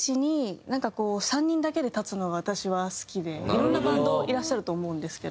いろんなバンドいらっしゃると思うんですけど。